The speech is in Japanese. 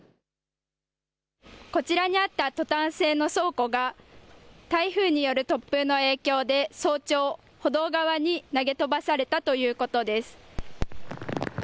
こちらにあったとたん製の倉庫が、台風による突風の影響で、早朝、歩道側に投げ飛ばされたということです。